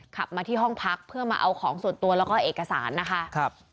ขับมาที่ห้องพักเพื่อมาเอาของส่วนตัวแล้วก็เอกสารนะคะ